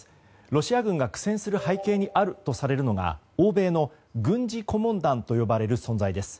ロシア軍が苦戦する背景にあるとされるのが欧米の軍事顧問団と呼ばれる存在です。